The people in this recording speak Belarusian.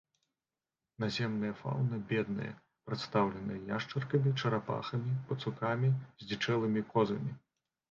Наземная фаўна бедная, прадстаўлена яшчаркамі, чарапахамі, пацукамі, здзічэлымі козамі.